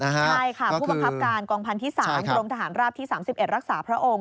ใช่ค่ะผู้บังคับการกองพันธ์ที่๓กรมทหารราบที่๓๑รักษาพระองค์